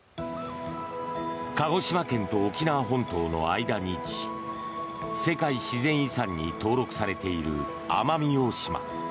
鹿児島県と沖縄本島の間に位置し世界自然遺産に登録されている奄美大島。